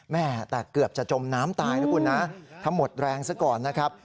แม่แต่เกือบจะจมน้ำตายนะคุณนะถ้าหมดแรงซะก่อนนะครับ